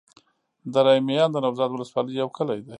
دره میان د نوزاد ولسوالي يو کلی دی.